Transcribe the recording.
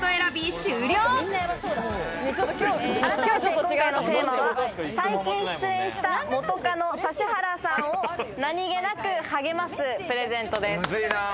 改めて今回のテーマは、最近失恋した元カノ・指原さんを何気なく励ますプレゼントです。